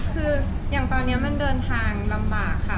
คืออย่างตอนนี้มันเดินทางลำบากค่ะ